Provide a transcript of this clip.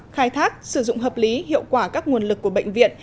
khai thác sử dụng hợp lý hiệu quả các nguồn lực của bệnh viện